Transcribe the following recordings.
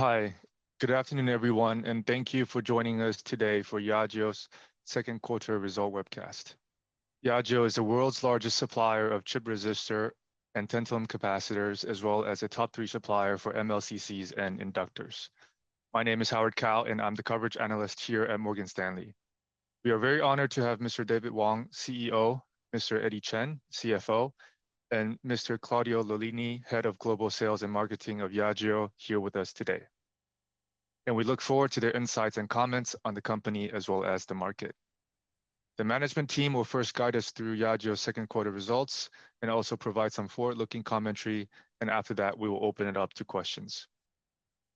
Hi. Good afternoon, everyone, and thank you for joining us today for Yageo's second quarter results webcast. Yageo is the world's largest supplier of chip resistor and tantalum capacitors, as well as a top three supplier for MLCCs and inductors. My name is Howard Kao, and I'm the coverage analyst here at Morgan Stanley. We are very honored to have Mr. David Wang, CEO, Mr. Eddie Chen, CFO, and Mr. Claudio Lollini, Head of Global Sales and Marketing of Yageo here with us today. We look forward to their insights and comments on the company as well as the market. The management team will first guide us through Yageo's second quarter results and also provide some forward-looking commentary, and after that, we will open it up to questions.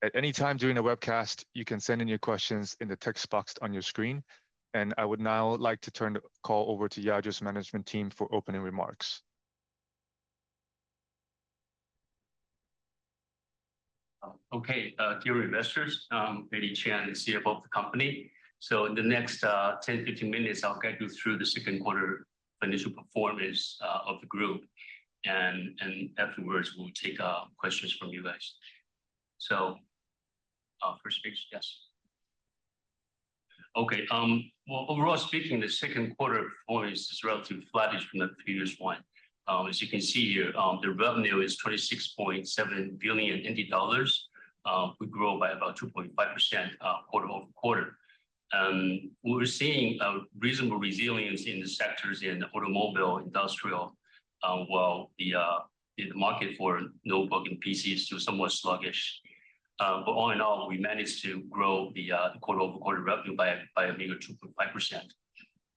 At any time during the webcast, you can send in your questions in the text box on your screen. I would now like to turn the call over to Yageo's management team for opening remarks. Okay, dear investors, I'm Eddie Chen, the CFO of the company. In the next 10, 15 minutes, I'll guide you through the second quarter financial performance of the group. Afterwards, we'll take questions from you guys. First page. Yes. Okay. Well, overall speaking, the second quarter performance is relatively flattish from the previous one. As you can see here, the revenue is 26.7 billion dollars, we grew by about 2.5%, quarter-over-quarter. We're seeing a reasonable resilience in the sectors in the automobile, industrial, while the market for notebook and PCs was somewhat sluggish. All in all, we managed to grow the quarter-over-quarter revenue by a meager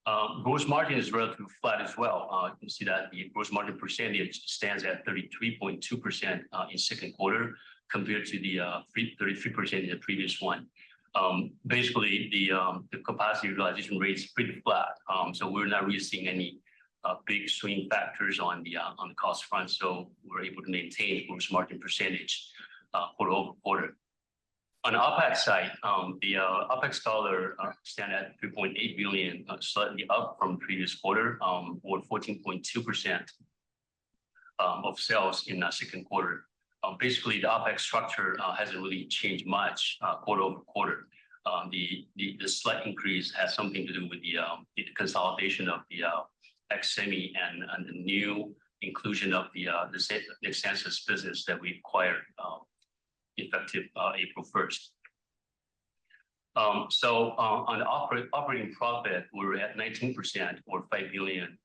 2.5%. Gross margin is relatively flat as well. You can see that the gross margin percentage stands at 33.2% in second quarter compared to the 33% in the previous one. Basically, the capacity utilization rate is pretty flat. We're not really seeing any big swing factors on the cost front, so we're able to maintain gross margin percentage quarter-over-quarter. On OPEX side, the OPEX dollars stand at 2.8 billion, slightly up from previous quarter, or 14.2% of sales in the second quarter. Basically, the OPEX structure hasn't really changed much quarter-over-quarter. The slight increase has something to do with the consolidation of the XSemi and the new inclusion of the Nexensos business that we acquired, effective April 1. On the operating profit, we're at 19% or 5 billion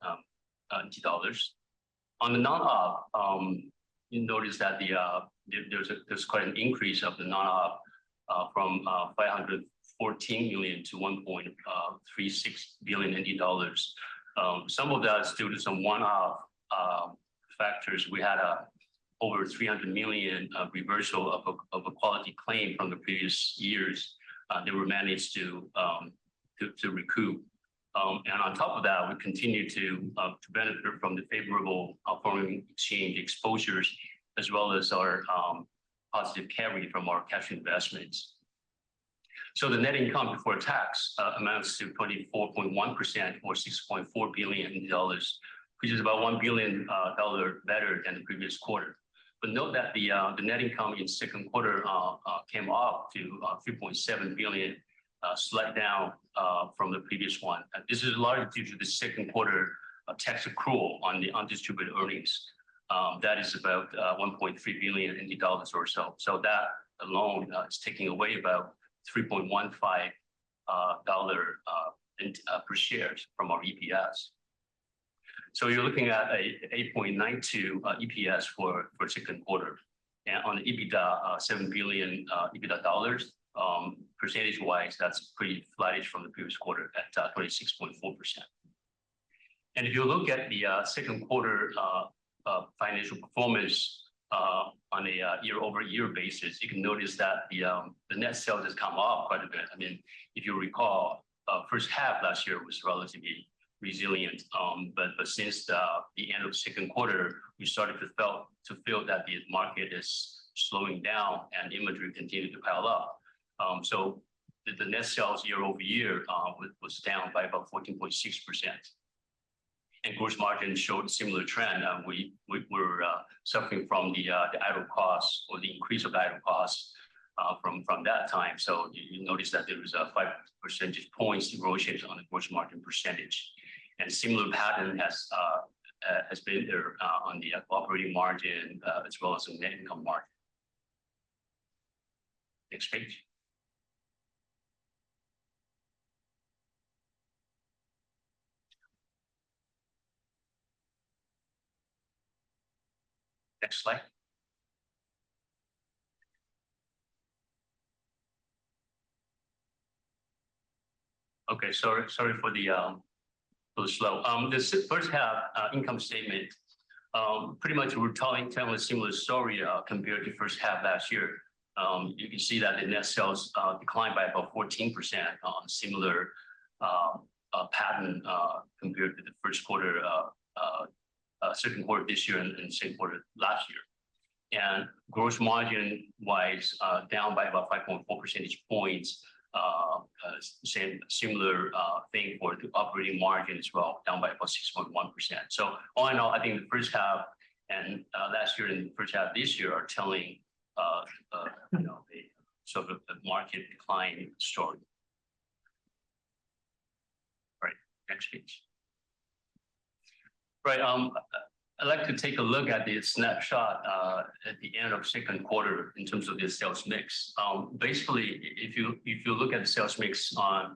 dollars. On the non-op, you notice that there's quite an increase of the non-op from 514 million to 1.36 billion dollars. Some of that is due to some one-off factors. We had over 300 million of reversal of a quality claim from the previous years that were managed to recoup. On top of that, we continued to benefit from the favorable foreign exchange exposures as well as our positive carry from our cash investments. The net income before tax amounts to 24.1% or 6.4 billion dollars, which is about 1 billion dollar better than the previous quarter. Note that the net income in second quarter came up to 3.7 billion, slightly down from the previous one. This is largely due to the second quarter tax accrual on the undistributed earnings. That is about 1.3 billion dollars or so. That alone is taking away about 3.15 dollar per share from our EPS. You're looking at 8.92 EPS for second quarter. On the EBITDA, 7 billion dollars, percentage-wise, that's pretty flattish from the previous quarter at 36.4%. If you look at the second quarter financial performance on a year-over-year basis, you can notice that the net sales has come up quite a bit. I mean, if you recall, first half last year was relatively resilient. But since the end of second quarter, we started to feel that the market is slowing down and inventory continued to pile up. The net sales year-over-year was down by about 14.6%. Gross margin showed similar trend. We were suffering from the idle costs or the increase of idle costs from that time. You notice that there was a 5 percentage points erosion on the gross margin percentage. Similar pattern has been there on the operating margin as well as the net income margin. Next page. Next slide. Okay, sorry for the slow. The first half income statement pretty much we're telling kind of a similar story compared to first half last year. You can see that the net sales declined by about 14% on similar pattern compared to the first quarter second quarter this year and same quarter last year. Gross margin-wise, down by about 5.4 percentage points. Similar thing for the operating margin as well, down by about 6.1%. All in all, I think the first half last year and first half this year are telling you know the sort of market decline story. Right. Next, please. Right. I'd like to take a look at the snapshot at the end of second quarter in terms of the sales mix. Basically if you look at the sales mix by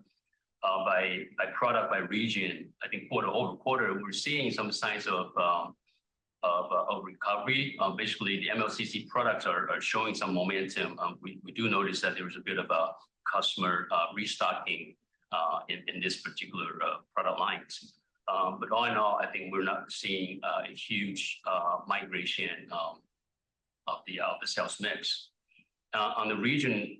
product, by region, I think quarter-over-quarter, we're seeing some signs of a recovery. Basically, the MLCC products are showing some momentum. We do notice that there was a bit of a customer restocking in this particular product lines. All in all, I think we're not seeing a huge migration of the sales mix. On the region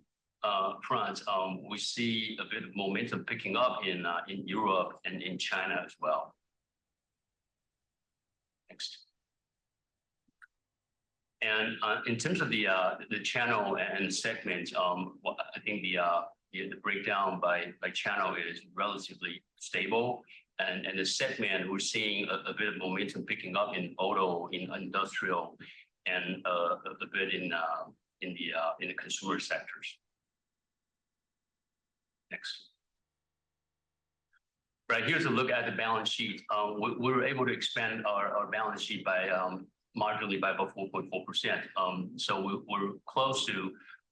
front, we see a bit of momentum picking up in Europe and in China as well. Next. In terms of the channel and segment, well, I think the breakdown by channel is relatively stable. The segment, we're seeing a bit of momentum picking up in auto, in industrial, and a bit in the consumer sectors. Next. Right. Here's a look at the balance sheet. We were able to expand our balance sheet by marginally by about 4.4%. We're close to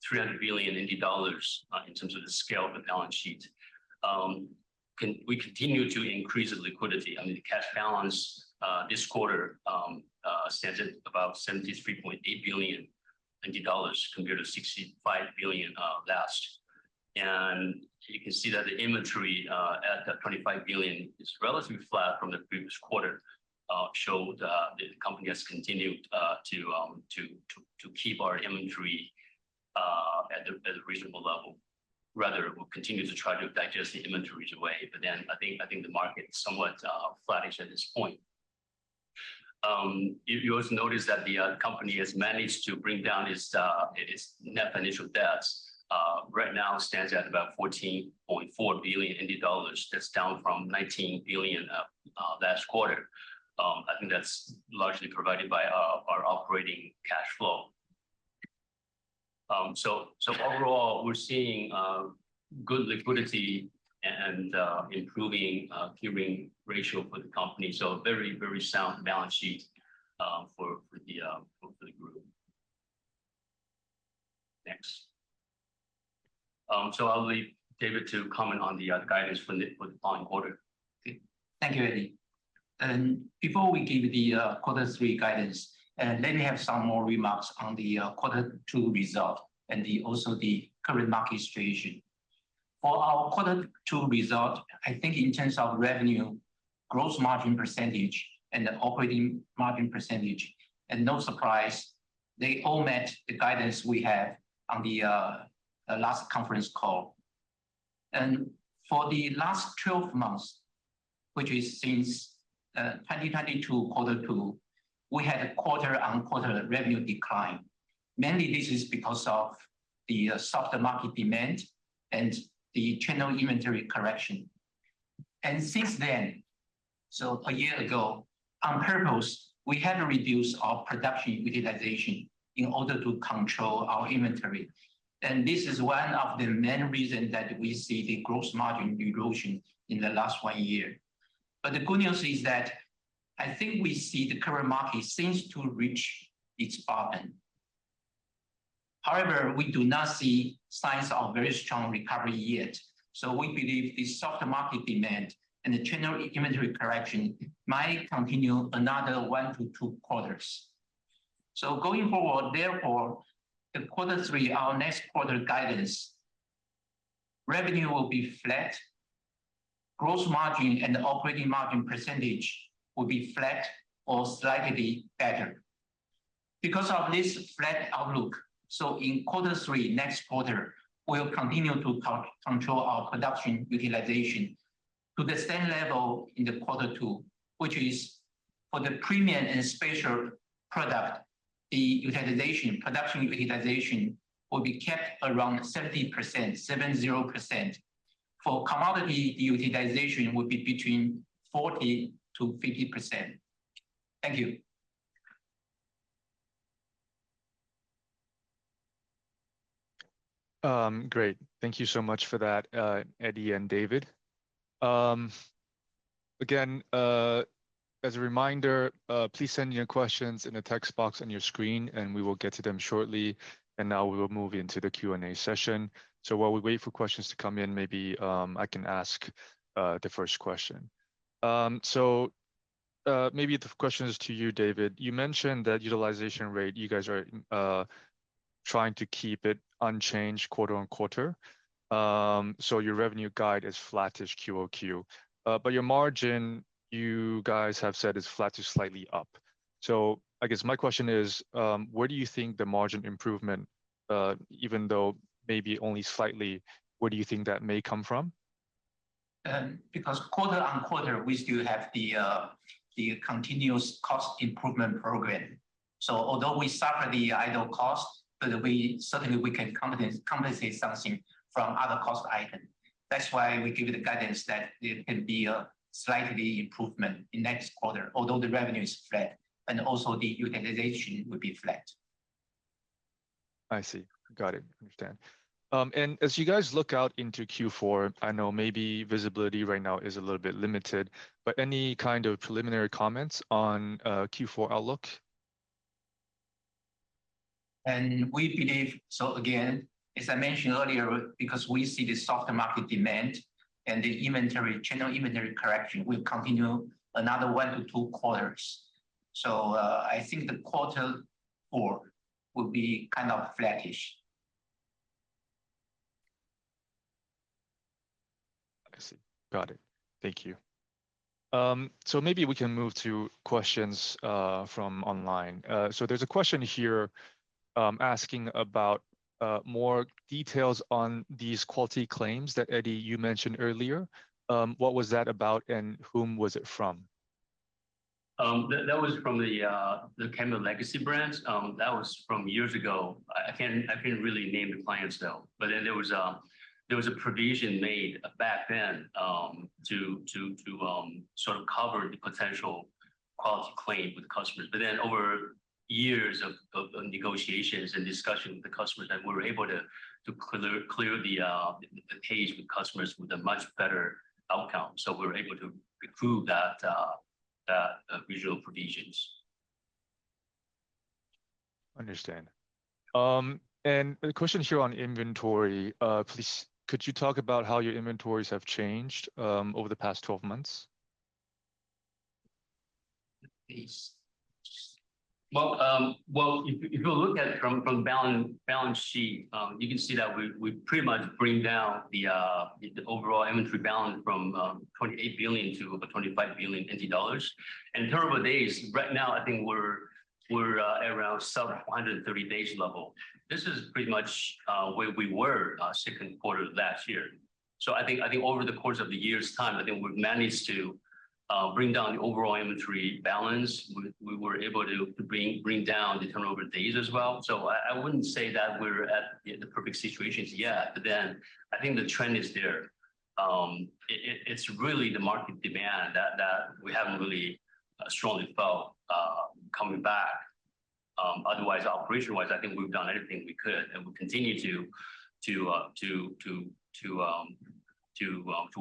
300 billion dollars in terms of the scale of the balance sheet. We continue to increase the liquidity. I mean, the cash balance this quarter stands at about 73.8 billion dollars compared to 65 billion last. You can see that the inventory at that 25 billion is relatively flat from the previous quarter. The company has continued to keep our inventory at a reasonable level. Rather, we'll continue to try to digest the inventories away, but then I think the market is somewhat flattish at this point. You also notice that the company has managed to bring down its net financial debts. Right now it stands at about 14.4 billion. That's down from 19 billion last quarter. I think that's largely provided by our operating cash flow. Overall, we're seeing good liquidity and improving gearing ratio for the company. A very sound balance sheet for the group. Next. I'll leave David to comment on the guidance for the quarter. Thank you, Eddie. Before we give the quarter three guidance, let me have some more remarks on the quarter two result and also the current market situation. For our Q2 result, I think in terms of revenue, gross margin percentage, and the operating margin percentage, no surprise, they all met the guidance we had on the last conference call. For the last 12 months, which is since 2020 to quarter two, we had a quarter-on-quarter revenue decline. Mainly this is because of the softer market demand and the general inventory correction. Since then, so a year ago, on purpose, we had to reduce our production utilization in order to control our inventory. This is one of the main reason that we see the gross margin erosion in the last 1 year. The good news is that I think we see the current market seems to reach its bottom. However, we do not see signs of very strong recovery yet. We believe the softer market demand and the general inventory correction might continue another 1 to 2 quarters. Going forward, therefore, the quarter three, our next quarter guidance, revenue will be flat. Gross margin and the operating margin percentage will be flat or slightly better. Because of this flat outlook, in quarter three, next quarter, we'll continue to control our production utilization to the same level in the quarter two, which is for the premium and special product, the utilization, production utilization will be kept around 70%. For commodity, utilization will be between 40%-50%. Thank you. Great. Thank you so much for that, Eddie and David. Again, as a reminder, please send your questions in the text box on your screen, and we will get to them shortly. Now we will move into the Q&A session. While we wait for questions to come in, maybe I can ask the first question. Maybe the question is to you, David. You mentioned that utilization rate, you guys are trying to keep it unchanged quarter on quarter. Your revenue guide is flattish QOQ. Your margin, you guys have said is flat to slightly up. I guess my question is, where do you think the margin improvement, even though maybe only slightly, where do you think that may come from? Because quarter-on-quarter, we still have the continuous cost improvement program. Although we suffer the idle cost, but we certainly can compensate something from other cost item. That's why we give you the guidance that it can be a slight improvement in next quarter, although the revenue is flat and also the utilization will be flat. I see. Got it. Understand. As you guys look out into Q4, I know maybe visibility right now is a little bit limited, but any kind of preliminary comments on Q4 outlook? We believe. Again, as I mentioned earlier, because we see the softer market demand and the inventory, general inventory correction will continue another 1 to 2 quarters. I think quarter four will be kind of flattish. I see. Got it. Thank you. Maybe we can move to questions from online. There's a question here asking about more details on these quality claims that Eddie, you mentioned earlier. What was that about, and whom was it from? That was from the KEMET legacy brands. That was from years ago. I can't really name the clients though. There was a provision made back then to sort of cover the potential quality claim with customers. Over years of negotiations and discussion with the customers that we were able to clear the page with customers with a much better outcome. We were able to accrue that usual provisions. Understand. A question here on inventory. Please could you talk about how your inventories have changed over the past 12 months? Well, if you look at it from balance sheet, you can see that we pretty much bring down the overall inventory balance from 28 billion to 25 billion NT dollars. In terms of days, right now I think we're around 730 days level. This is pretty much where we were second quarter last year. I think over the course of the year's time, we've managed to bring down the overall inventory balance. We were able to bring down the turnover days as well. I wouldn't say that we're at the perfect situation yet, but then I think the trend is there. It's really the market demand that we haven't really strongly felt coming back. Otherwise operational-wise, I think we've done everything we could, and we continue to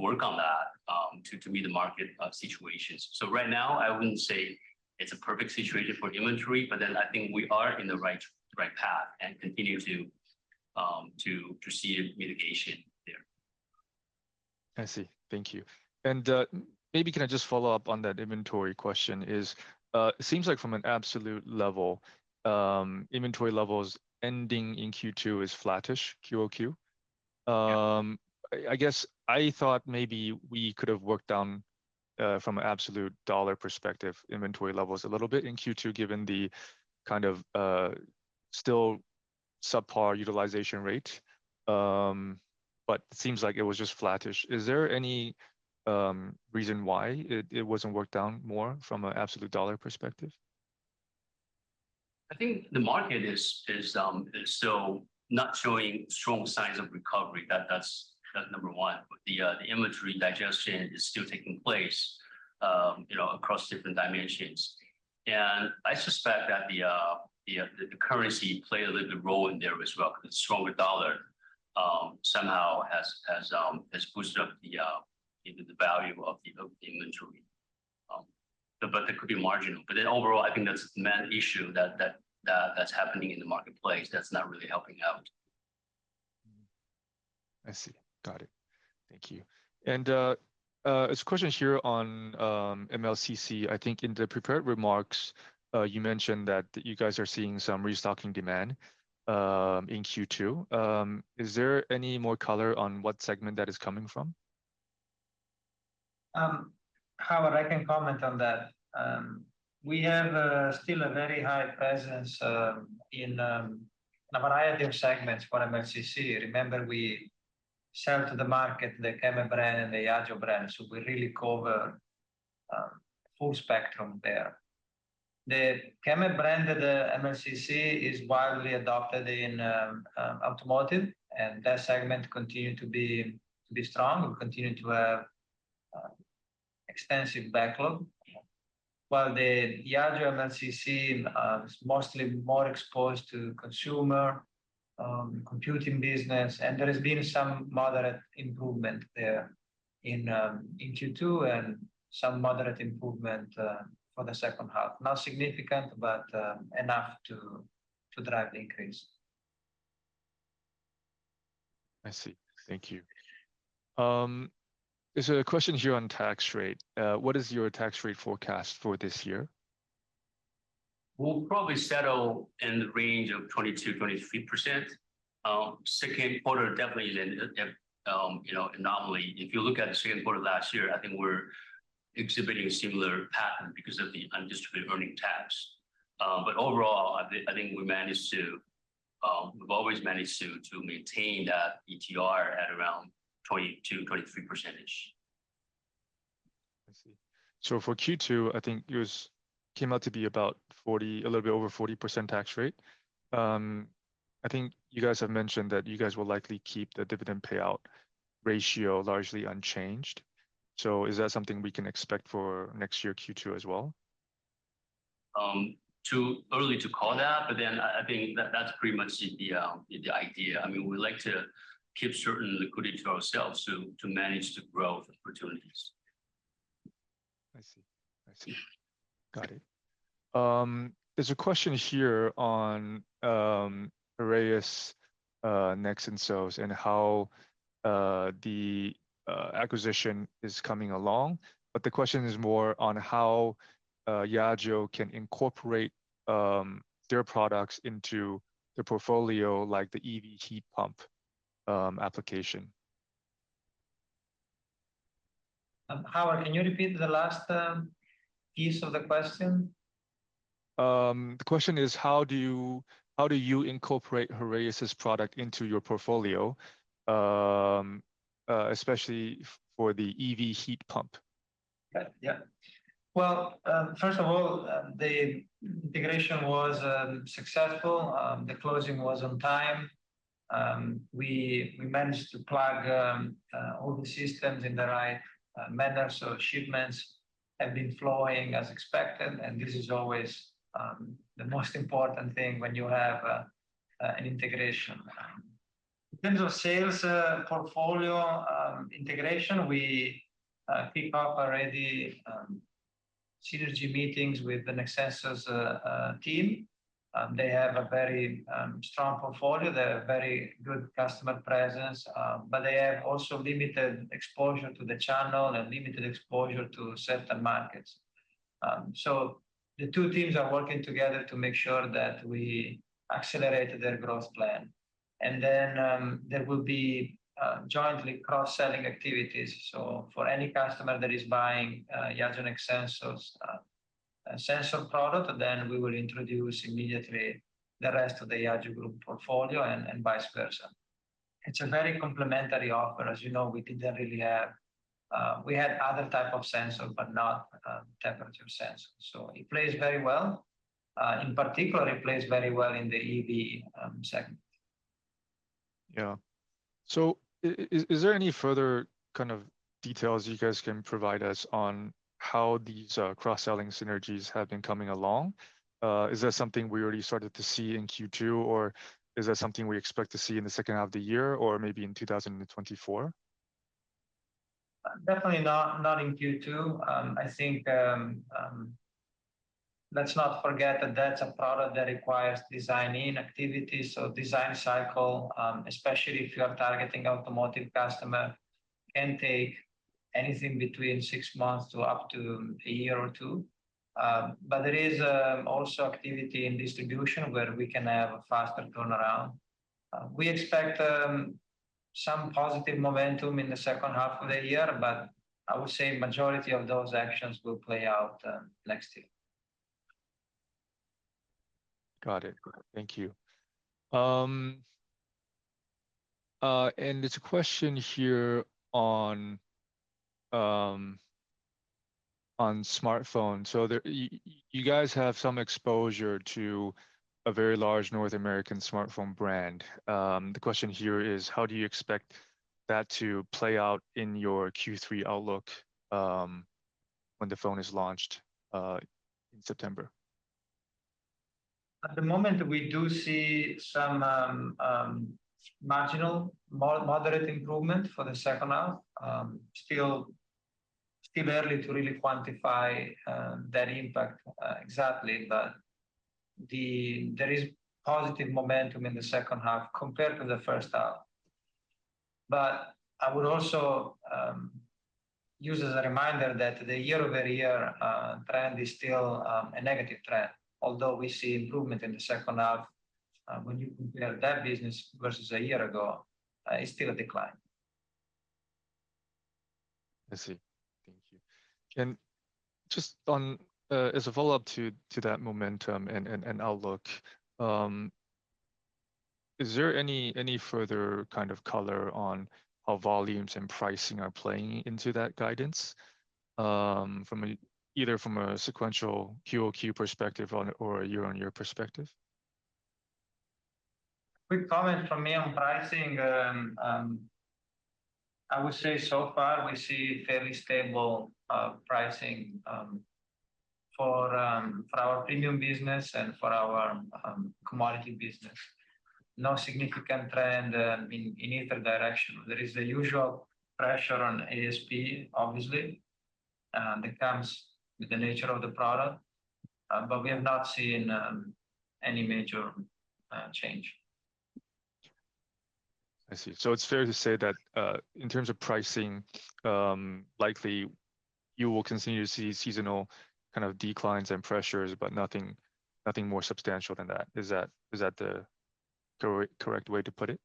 work on that to meet the market situations. Right now I wouldn't say it's a perfect situation for inventory, but then I think we are in the right path and continue to proceed mitigation there. I see. Thank you. Maybe can I just follow up on that inventory question? It seems like from an absolute level, inventory levels ending in Q2 is flattish QOQ. I guess I thought maybe we could have worked on from an absolute dollar perspective inventory levels a little bit in Q2, given the kind of still subpar utilization rate. But seems like it was just flattish. Is there any reason why it wasn't worked down more from an absolute dollar perspective? I think the market is still not showing strong signs of recovery. That's number one. The inventory digestion is still taking place, you know, across different dimensions. I suspect that the currency played a little bit of a role in there as well, cause the stronger dollar somehow has boosted up, you know, the value of the inventory. That could be marginal. Overall I think that's the main issue that's happening in the marketplace that's not really helping out. I see. Got it. Thank you. There's a question here on MLCC. I think in the prepared remarks, you mentioned that you guys are seeing some restocking demand in Q2. Is there any more color on what segment that is coming from? Howard, I can comment on that. We have still a very high presence in a variety of segments for MLCC. Remember we sell to the market the KEMET brand and the Yageo brand, so we really cover full spectrum there. The KEMET brand of the MLCC is widely adopted in automotive, and that segment continues to be strong and continues to have extensive backlog. While the Yageo MLCC is mostly more exposed to consumer computing business, and there has been some moderate improvement there in Q2 and some moderate improvement for the second half. Not significant, but enough to drive the increase. I see. Thank you. There's a question here on tax rate. What is your tax rate forecast for this year? We'll probably settle in the range of 20% to 23%. Second quarter definitely is an, you know, anomaly. If you look at the second quarter last year, I think we're exhibiting a similar pattern because of the undistributed earnings tax. Overall, I think we managed to. We've always managed to maintain that ETR at around 22% to 23%. I see. For Q2, I think yours came out to be about 40, a little bit over 40% tax rate. I think you guys have mentioned that you guys will likely keep the dividend payout ratio largely unchanged. Is that something we can expect for next year Q2 as well? Too early to call that, but then I think that that's pretty much the idea. I mean, we like to keep certain liquidity to ourselves to manage the growth opportunities. I see. Got it. There's a question here on Heraeus Nexensos, and how the acquisition is coming along. The question is more on how Yageo can incorporate their products into the portfolio, like the EV heat pump application. Howard, can you repeat the last piece of the question? The question is, how do you incorporate Heraeus' product into your portfolio, especially for the EV heat pump? Yeah. Yeah. Well, first of all, the integration was successful. The closing was on time. We managed to plug all the systems in the right manner, so shipments have been flowing as expected, and this is always the most important thing when you have an integration. In terms of sales portfolio integration, we kick off already synergy meetings with the Nexensos team. They have a very strong portfolio. They have very good customer presence, but they have also limited exposure to the channel and limited exposure to certain markets. The two teams are working together to make sure that we accelerate their growth plan. Then, there will be jointly cross-selling activities. For any customer that is buying Yageo Nexensos sensor product, then we will introduce immediately the rest of the Yageo Group portfolio and vice versa. It's a very complementary offer. As you know, we had other type of sensor, but not temperature sensor. It plays very well. In particular, it plays very well in the EV segment. Yeah. Is there any further kind of details you guys can provide us on how these cross-selling synergies have been coming along? Is that something we already started to see in Q2, or is that something we expect to see in the second half of the year or maybe in 2024? Definitely not in Q2. I think, let's not forget that that's a product that requires design-in activities or design cycle, especially if you are targeting automotive customer, can take anything between six months to up to a year or two. There is also activity in distribution where we can have a faster turnaround. We expect some positive momentum in the second half of the year, but I would say majority of those actions will play out next year. Got it. Thank you. There's a question here on smartphone. You guys have some exposure to a very large North American smartphone brand. The question here is, how do you expect that to play out in your Q3 outlook, when the phone is launched in September? At the moment, we do see some marginal moderate improvement for the second half. Still early to really quantify that impact exactly. There is positive momentum in the second half compared to the first half. I would also use as a reminder that the year-over-year trend is still a negative trend. Although we see improvement in the second half, when you compare that business versus a year ago, it's still a decline. I see. Thank you. Just on, as a follow-up to that momentum and outlook, is there any further kind of color on how volumes and pricing are playing into that guidance? Either from a sequential Q-over-Q perspective or a year-on-year perspective? Quick comment from me on pricing. I would say so far we see fairly stable pricing for our premium business and for our commodity business. No significant trend in either direction. There is the usual pressure on ASP, obviously, that comes with the nature of the product, but we have not seen any major change. I see. It's fair to say that in terms of pricing, likely you will continue to see seasonal kind of declines and pressures, but nothing more substantial than that. Is that the correct way to put it?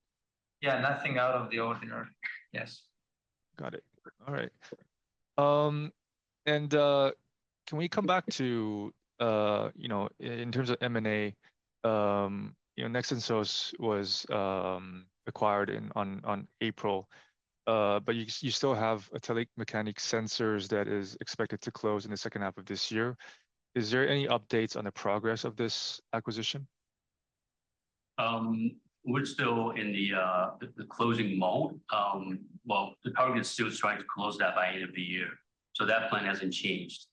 Yeah. Nothing out of the ordinary. Yes. Got it. All right. Can we come back to, you know, in terms of M&A, you know, Nexensos was acquired on April, but you still have a Telemecanique Sensors that is expected to close in the second half of this year. Is there any updates on the progress of this acquisition? We're still in the closing mode. Well, the target is still trying to close that by end of the year, so that plan hasn't changed.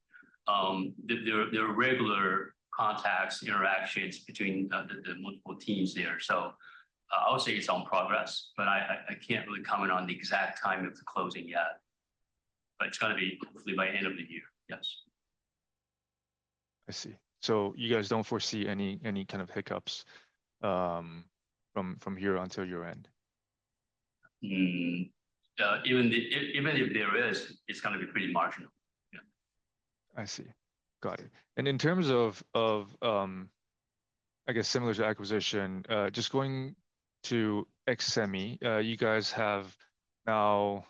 There are regular contacts, interactions between the multiple teams there. I would say it's in progress, but I can't really comment on the exact timing of the closing yet. It's going to be hopefully by end of the year. Yes. I see. You guys don't foresee any kind of hiccups, from here until your end? Even if there is, it's going to be pretty marginal. Yeah. I see. Got it. In terms of, I guess similar to acquisition, just going to XSemi, you guys have now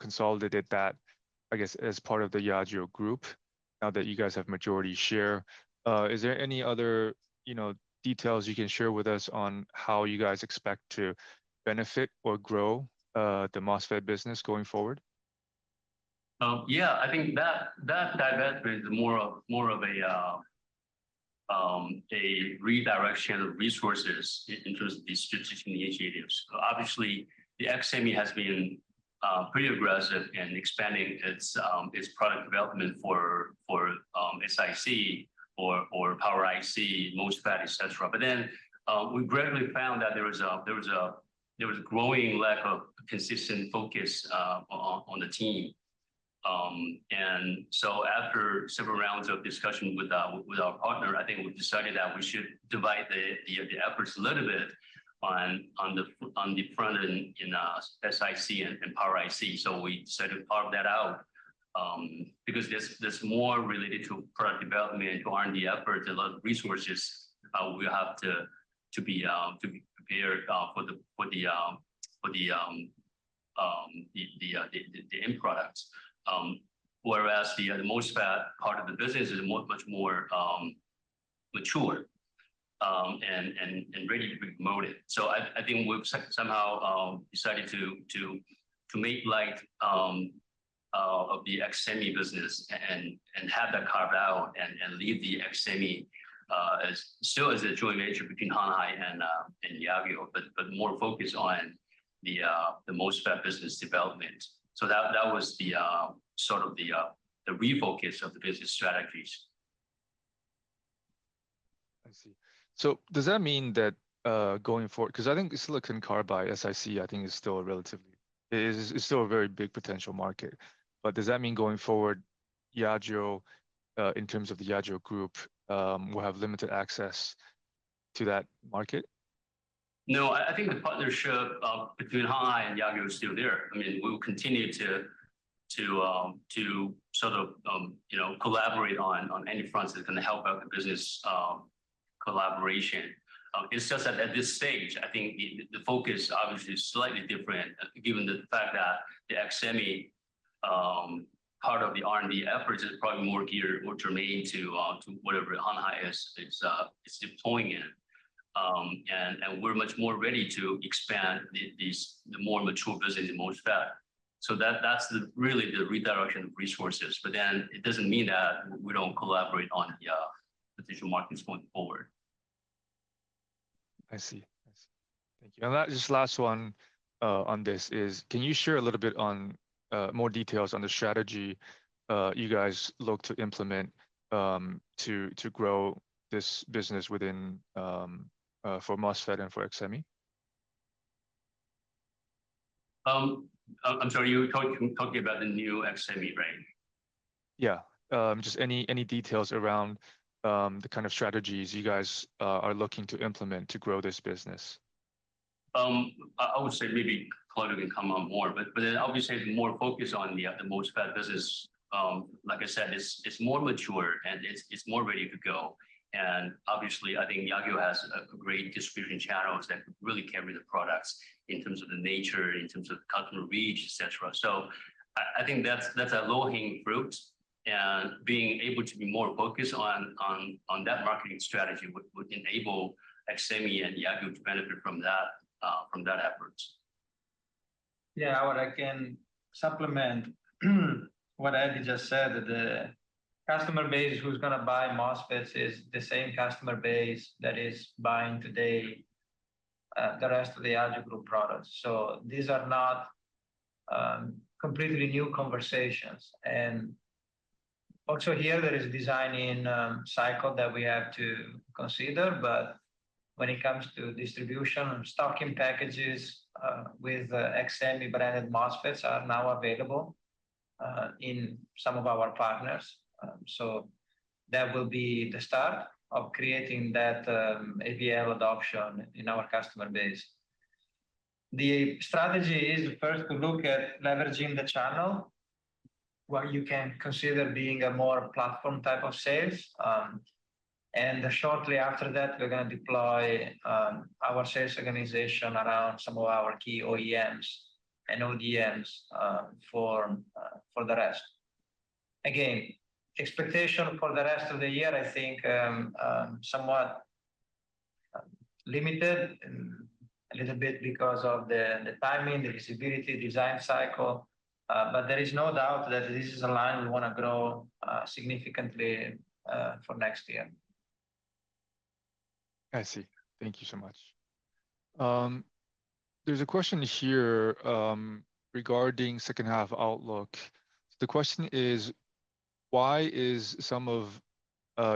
consolidated that, I guess, as part of the Yageo Group now that you guys have majority share. Is there any other, you know, details you can share with us on how you guys expect to benefit or grow the MOSFET business going forward? Yeah. I think that divestment is more of a redirection of resources in terms of the strategic initiatives. Obviously, the XSemi has been pretty aggressive in expanding its product development for SiC or power IC, MOSFET, et cetera. We gradually found that there was a growing lack of consistent focus on the team. After several rounds of discussion with our partner, I think we decided that we should divide the efforts a little bit on the front end in SiC and power IC. We decided to carve that out, because there's more related to product development, R&D efforts, a lot of resources, we have to be prepared for the end products. Whereas the MOSFET part of the business is much more mature and ready to be promoted. I think we've somehow decided to make like the XSemi business and have that carved out and leave the XSemi as still a joint venture between Hanwha and Yageo, but more focused on the MOSFET business development. That was sort of the refocus of the business strategies. I see. Does that mean that, going forward, cause I think Silicon Carbide, SiC, is still a very big potential market? Does that mean going forward, Yageo, in terms of the Yageo Group, will have limited access to that market? No. I think the partnership between Hanwha and Yageo is still there. I mean, we'll continue to sort of, you know, collaborate on any fronts that's going to help out the business, collaboration. It's just that at this stage, I think the focus obviously is slightly different given the fact that the XSemi part of the R&D efforts is probably more geared, more turning to whatever Hanwha is deploying it. We're much more ready to expand the more mature business in MOSFET. So that's really the redirection of resources. It doesn't mean that we don't collaborate on the potential markets going forward. I see. Thank you. Just last one, on this is, can you share a little bit on, more details on the strategy, you guys look to implement, to grow this business within, for MOSFET and for XSemi? I'm sorry, you were talking about the new XSemi, right? Yeah. Just any details around the kind of strategies you guys are looking to implement to grow this business? I would say maybe Claudio can comment more. Obviously the more focus on the MOSFET business, like I said, is more mature and it's more ready to go. Obviously, I think Yageo has a great distribution channels that really carry the products in terms of the nature, in terms of customer reach, et cetera. I think that's a low-hanging fruit, and being able to be more focused on that marketing strategy would enable XSemi and Yageo to benefit from that efforts. I can supplement what Eddie just said, the customer base who's gonna buy MOSFETs is the same customer base that is buying today the rest of the Yageo Group products. These are not completely new conversations. Also here there is a design cycle that we have to consider, but when it comes to distribution and stocking packages with XSemi-branded MOSFETs are now available in some of our partners. That will be the start of creating that AVL adoption in our customer base. The strategy is first to look at leveraging the channel, what you can consider being a more platform type of sales. Shortly after that, we're going to deploy our sales organization around some of our key OEMs and ODMs for the rest. Again, expectation for the rest of the year, I think, somewhat limited and a little bit because of the timing, the visibility design cycle. There is no doubt that this is a line we want to grow significantly for next year. I see. Thank you so much. There's a question here regarding second half outlook. The question is, why is some of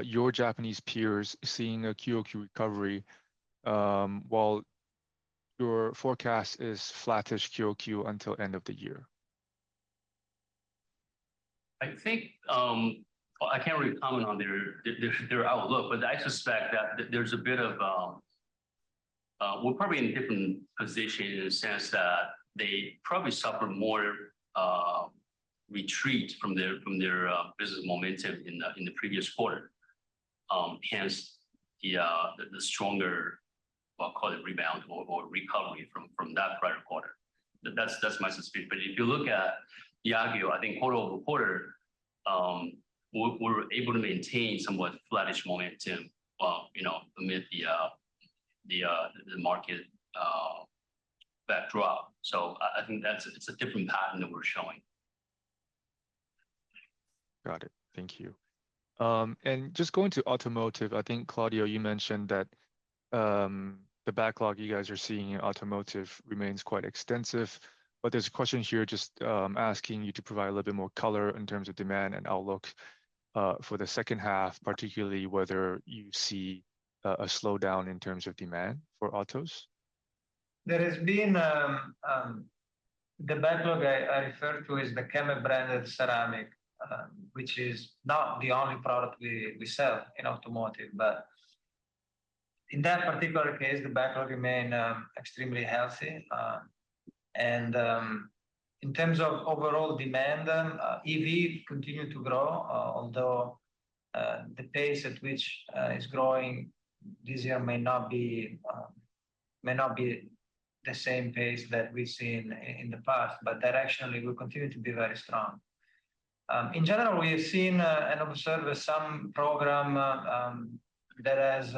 your Japanese peers seeing a QOQ recovery while your forecast is flattish QOQ until end of the year? I think, well, I can't really comment on their outlook, but I suspect that we're probably in a different position in the sense that they probably suffered more retreat from their business momentum in the previous quarter. Hence, the stronger, I'll call it, rebound or recovery from that prior quarter. That's my suspicion. If you look at Yageo, I think quarter-over-quarter, we're able to maintain somewhat flattish momentum, you know, amid the market backdrop. I think it's a different pattern that we're showing. Got it. Thank you. Just going to automotive, I think, Claudio, you mentioned that the backlog you guys are seeing in automotive remains quite extensive, but there's a question here just asking you to provide a little bit more color in terms of demand and outlook for the second half, particularly whether you see a slowdown in terms of demand for autos. There has been. The backlog I refer to is the KEMET-branded ceramic, which is not the only product we sell in automotive. In that particular case, the backlog remained extremely healthy. In terms of overall demand, EV continued to grow, although the pace at which it's growing this year may not be the same pace that we've seen in the past. Directionally, we continue to be very strong. In general, we have seen and observed with some program that has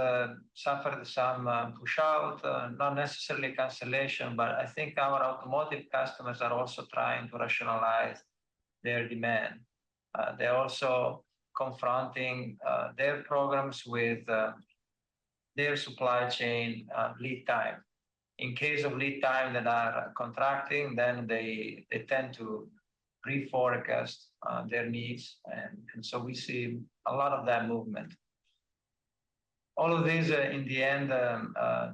suffered some push out, not necessarily cancellation, but I think our automotive customers are also trying to rationalize their demand. They're also confronting their programs with their supply chain lead time. In case of lead time that are contracting, then they tend to reforecast their needs and so we see a lot of that movement. All of these, in the end,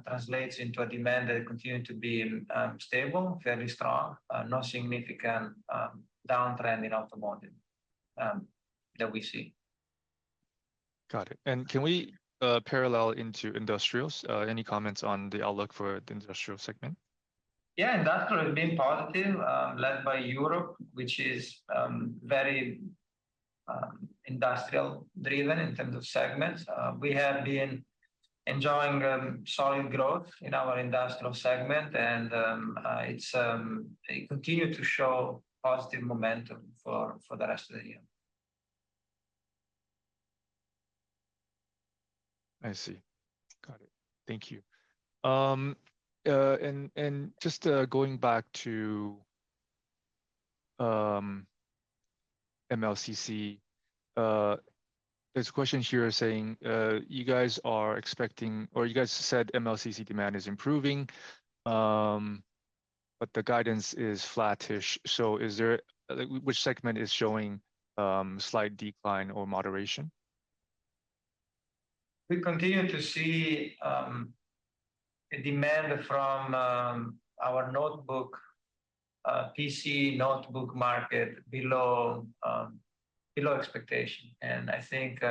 translates into a demand that continue to be stable, fairly strong, no significant downtrend in automotive that we see. Got it. Can we parallel into industrials? Any comments on the outlook for the industrial segment? Yeah. Industrial has been positive, led by Europe, which is very industrial driven in terms of segments. We have been enjoying solid growth in our industrial segment and it continues to show positive momentum for the rest of the year. I see. Got it. Thank you. Just going back to MLCC, there's a question here saying you guys are expecting or you guys said MLCC demand is improving, but the guidance is flattish. Like, which segment is showing slight decline or moderation? We continue to see a demand from our notebook PC market below expectation. I think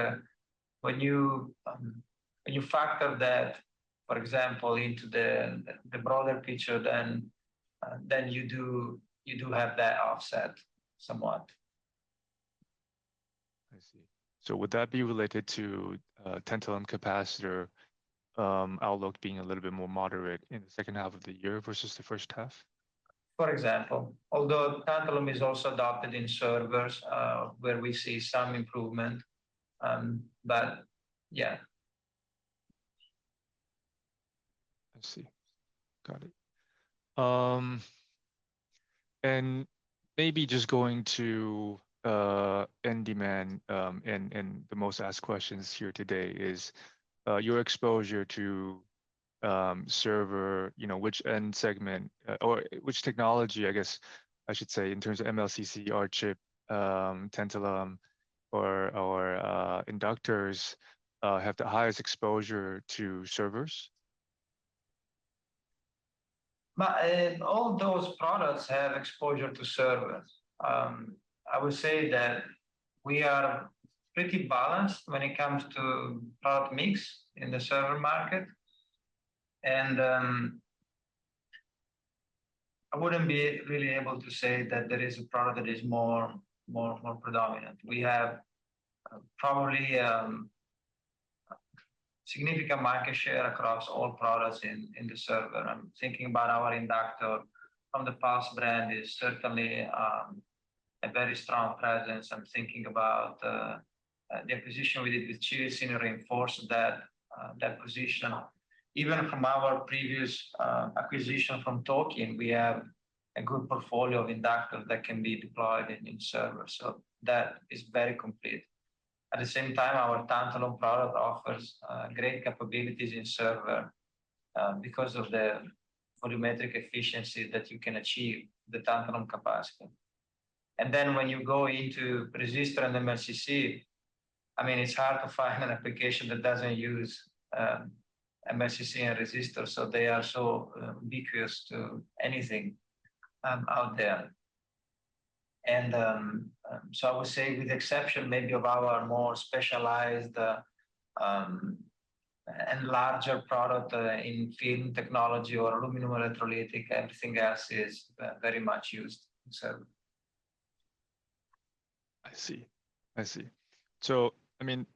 when you factor that, for example, into the broader picture, then you do have that offset somewhat. I see. Would that be related to tantalum capacitor outlook being a little bit more moderate in the second half of the year versus the first half? For example. Although tantalum is also adopted in servers, where we see some improvement. Yeah. I see. Got it. Maybe just going to end demand, and the most asked questions here today is your exposure to server, you know, which end segment or which technology, I guess I should say, in terms of MLCC, R chip, tantalum or inductors have the highest exposure to servers? All those products have exposure to servers. I would say that we are pretty balanced when it comes to product mix in the server market. I wouldn't be really able to say that there is a product that is more predominant. We have probably significant market share across all products in the server. I'm thinking about our inductor from the Pulse brand is certainly a very strong presence. I'm thinking about the acquisition we did with Chilisin to reinforce that position. Even from our previous acquisition from TOKIN, we have a good portfolio of inductors that can be deployed in server. That is very complete. At the same time, our tantalum product offers great capabilities in server because of the volumetric efficiency that you can achieve with tantalum capacitor. When you go into resistor and MLCC, I mean, it's hard to find an application that doesn't use MLCC and resistor, so they are so ubiquitous to anything out there. I would say with the exception maybe of our more specialized and larger product in film technology or aluminum electrolytic, everything else is very much used in server. I mean,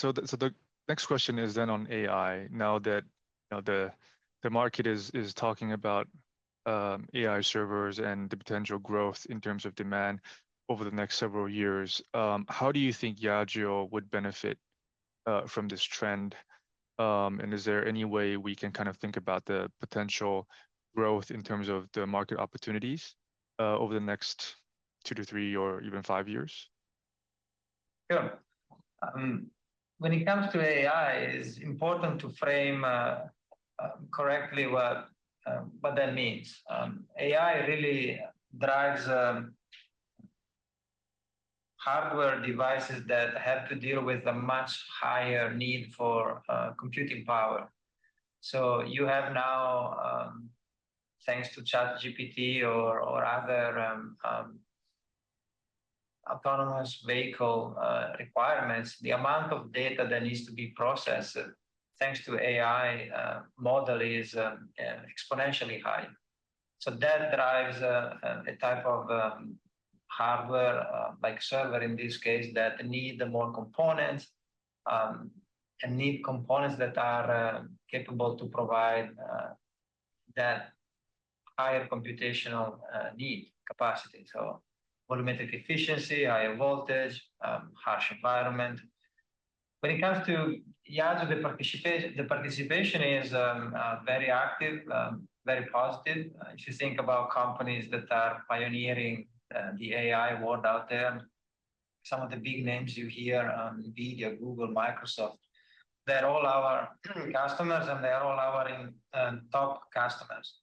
the next question is then on AI. Now that, you know, the market is talking about AI servers and the potential growth in terms of demand over the next several years, how do you think Yageo would benefit from this trend? And is there any way we can kind of think about the potential growth in terms of the market opportunities over the next 2 to 3 or even 5 years? Yeah. When it comes to AI, it's important to frame correctly what that means. AI really drives hardware devices that have to deal with a much higher need for computing power. You have now, thanks to ChatGPT or other autonomous vehicle requirements, the amount of data that needs to be processed thanks to AI model is exponentially high. That drives a type of hardware, like server in this case, that need more components, and need components that are capable to provide that higher computational need capacity. Volumetric efficiency, higher voltage, harsh environment. When it comes to Yageo, the participation is very active, very positive. If you think about companies that are pioneering the AI world out there, some of the big names you hear, NVIDIA, Google, Microsoft, they're all our customers, and they're all our top customers.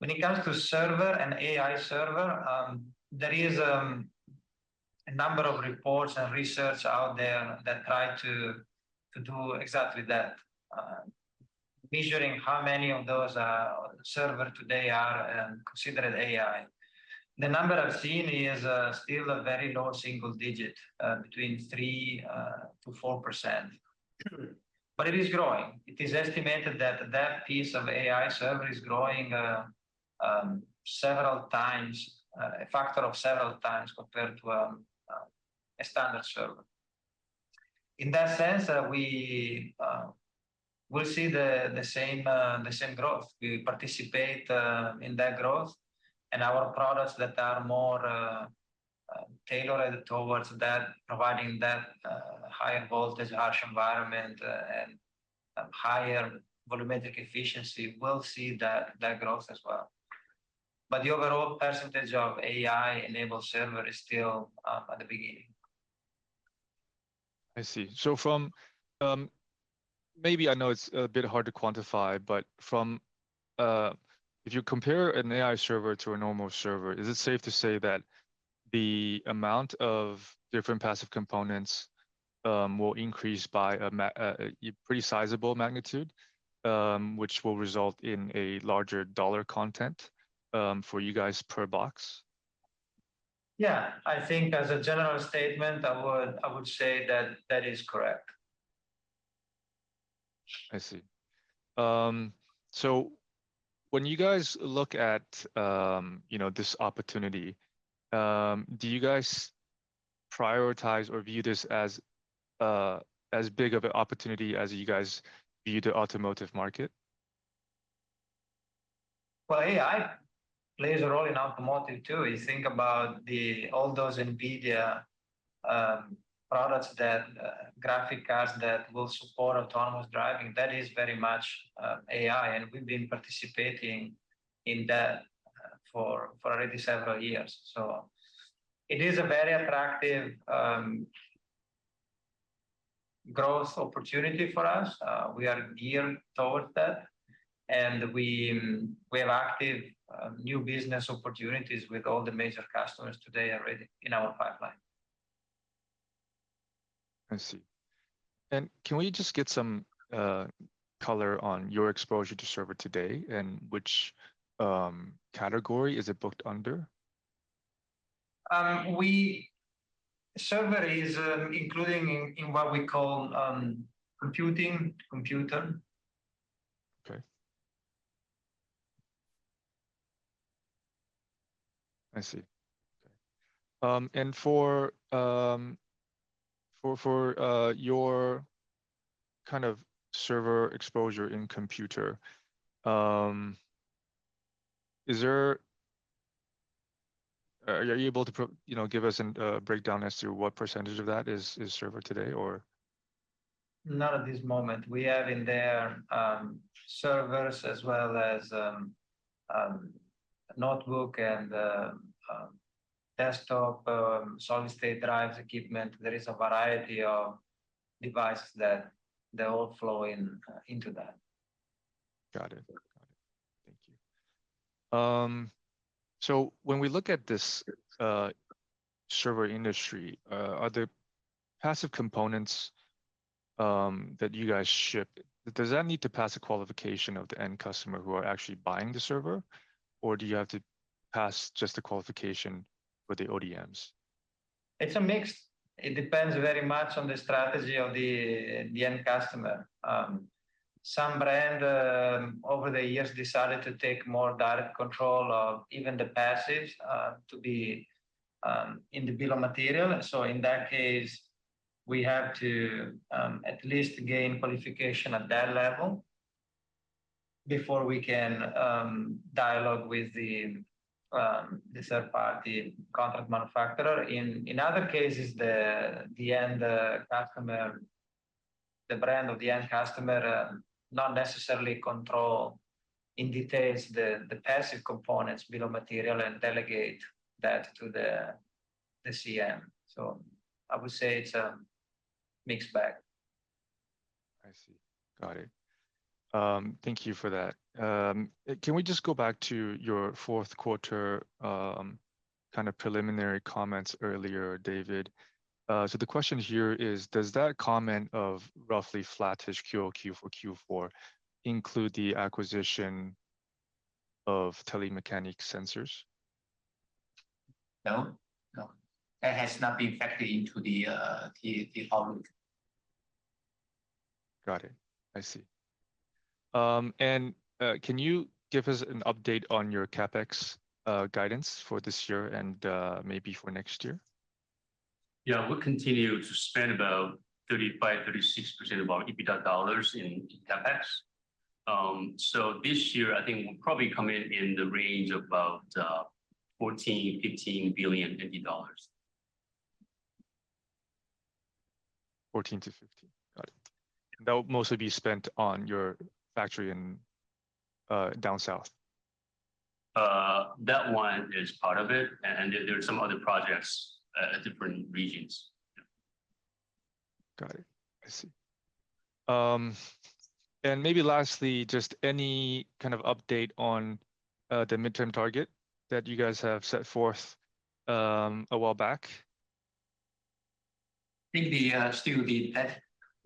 When it comes to server and AI server, there is a number of reports and research out there that try to do exactly that, measuring how many of those server today are considered AI. The number I've seen is still a very low single digit, between 3% to 4%. But it is growing. It is estimated that that piece of AI server is growing several times, a factor of several times compared to a standard server. In that sense, we will see the same growth. We participate in that growth and our products that are more tailored towards that, providing that higher voltage, harsh environment, and higher volumetric efficiency will see that growth as well. But the overall percentage of AI-enabled server is still at the beginning. I see. Maybe I know it's a bit hard to quantify, but from, if you compare an AI server to a normal server, is it safe to say that the amount of different passive components will increase by a pretty sizable magnitude, which will result in a larger dollar content for you guys per box? Yeah. I think as a general statement, I would say that is correct. I see. When you guys look at, you know, this opportunity, do you guys prioritize or view this as big of an opportunity as you guys view the automotive market? Well, AI plays a role in automotive too. You think about all those NVIDIA products, graphic cards that will support autonomous driving, that is very much AI, and we've been participating in that for already several years. It is a very attractive growth opportunity for us. We are geared towards that, and we have active new business opportunities with all the major customers today already in our pipeline. I see. Can we just get some color on your exposure to server today and which category is it booked under? Server is including in what we call computing, computer. Okay. I see. For your kind of server exposure in computer, are you able to, you know, give us a breakdown as to what percentage of that is server today or? Not at this moment. We have in there servers as well as notebook and desktop solid-state drives equipment. There is a variety of devices that they all flow into that. Got it. Thank you. When we look at this server industry, are there passive components that you guys ship? Does that need to pass a qualification of the end customer who are actually buying the server? Or do you have to pass just the qualification with the ODMs? It's a mix. It depends very much on the strategy of the end customer. Some brand over the years decided to take more direct control of even the passives to be in the bill of material. In that case, we have to at least gain qualification at that level before we can dialogue with the third party contract manufacturer. In other cases, the end customer, the brand of the end customer, not necessarily control in details the passive components bill of material, and delegate that to the CM. I would say it's a mixed bag. I see. Got it. Thank you for that. Can we just go back to your fourth quarter kind of preliminary comments earlier, David? The question here is, does that comment of roughly flattish QOQ for Q4 include the acquisition of Telemecanique Sensors? No. No. That has not been factored into the outlook. Got it. I see. Can you give us an update on your CapEx guidance for this year and maybe for next year? We'll continue to spend about 35% to 36% of our EBITDA dollars in CapEx. This year, I think we'll probably come in the range of about 14 billion-15 billion dollars. 14 to 15. Got it. That will mostly be spent on your factory in, down south? That one is part of it. There are some other projects at different regions. Yeah. Got it. I see. Maybe lastly, just any kind of update on the midterm target that you guys have set forth a while back? I think the still the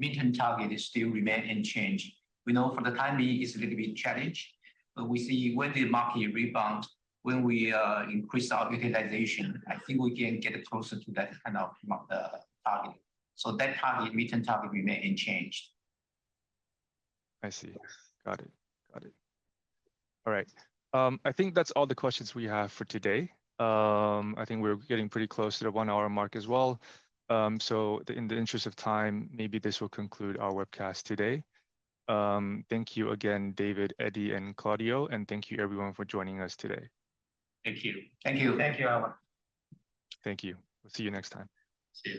midterm target is still remain unchanged. We know for the time being it's going to be a challenge, but we see when the market rebound, when we increase our utilization, I think we can get closer to that kind of target. That midterm target remain unchanged. I see. Got it. All right. I think that's all the questions we have for today. I think we're getting pretty close to the one-hour mark as well. In the interest of time, maybe this will conclude our webcast today. Thank you again, David, Eddie, and Claudio, and thank you everyone for joining us today. Thank you. Thank you. Thank you, Howard Kao. Thank you. We'll see you next time. See you.